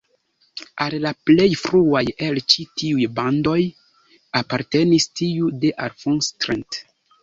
Al la plej fruaj el ĉi tiuj bandoj apartenis tiu de Alphonse Trent.